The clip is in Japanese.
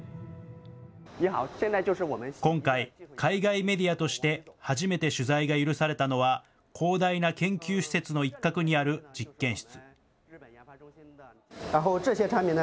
今回、海外メディアとして初めて取材が許されたのは、広大な研究施設の一角にある実験室。